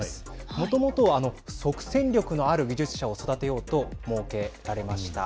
もともとは即戦力のある技術者を育てようと設けられました。